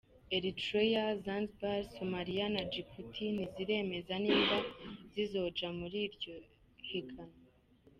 Eritrea, Zanzibar, Somalia na Djibouti ntiziremeza nimba zizoja muri iryo higanwa.